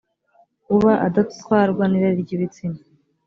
kuba adatwarwa n’irari ry’ibitsina